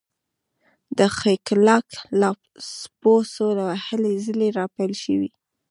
د ښکېلاک لاسپوڅو هلې ځلې راپیل شوې.